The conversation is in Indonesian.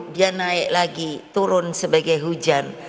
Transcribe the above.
dia naik lagi turun sebagai hujan